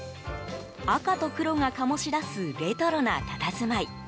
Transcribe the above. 赤と黒が醸し出すレトロなたたずまい。